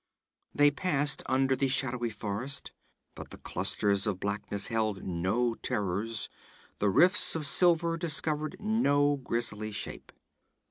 They passed under the shadowy forest, but the clusters of blackness held no terrors, the rifts of silver discovered no grisly shape.